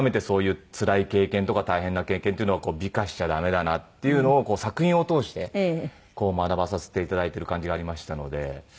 そういうつらい経験とか大変な経験っていうのを美化しちゃダメだなっていうのを作品を通して学ばさせていただいてる感じがありましたので。